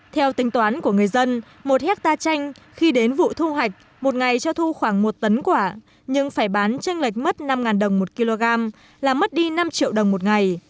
theo tính toán của người dân một hectare chanh khi đến vụ thu hoạch một ngày cho thu khoảng một tấn quả nhưng phải bán tranh lệch mất năm đồng một kg là mất đi năm triệu đồng một ngày